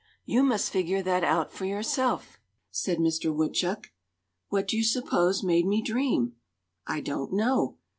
"You must figure that out for yourself," said Mister Woodchuck. "What do you suppose made me dream?" "I don't know."